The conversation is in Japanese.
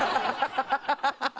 ハハハハ！